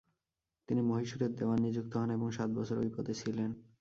তিনি মহীশূরের দেওয়ান নিযুক্ত হন এবং সাত বছর ওই পদে ছিলেন।